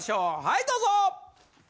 はいどうぞ！